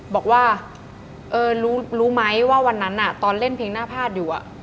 บอกว่ารู้ไหมว่าวันนั้นตอนเล่นเพลงหน้าพาดอยู่